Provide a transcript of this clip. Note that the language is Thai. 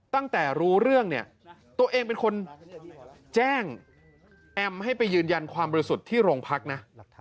ตั้งแต่รู้เรื่องเนี่ยตัวเองเป็นคนแจ้งแอมให้ไปยืนยันความบริสุทธิ์ที่โรงพักนะ